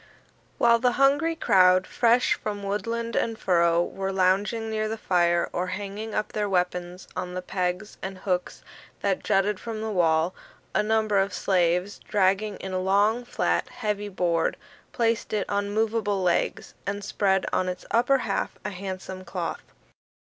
While the hungry crowd, fresh from woodland and furrow, were lounging near the fire or hanging up their weapons on the pegs and hooks that jutted from the wall, a number of slaves, dragging in a long, flat, heavy board, placed it on movable legs, and spread on its upper half a handsome cloth.